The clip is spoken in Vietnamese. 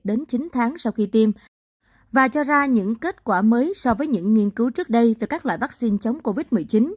đến chín tháng sau khi tiêm và cho ra những kết quả mới so với những nghiên cứu trước đây về các loại vaccine chống covid một mươi chín